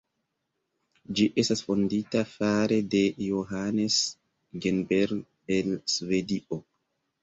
Ĝi estas fondita fare de Johannes Genberg el Svedio.